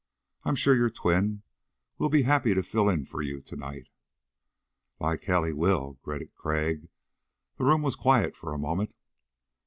"I'm sure your twin will be happy to fill in for you tonight." "Like hell he will," gritted Crag. The room was quiet for a moment.